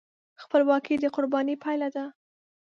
خپلواکي د قربانۍ پایله ده.